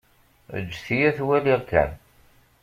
Ǧǧet-iyi ad t-waliɣ kan.